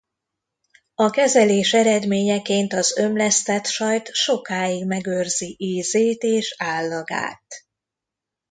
A kezelés eredményeként az ömlesztett sajt sokáig megőrzi ízét és állagát.